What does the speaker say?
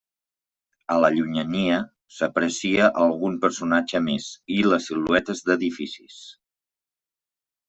A la llunyania, s'aprecia algun personatge més i les siluetes d'edificis.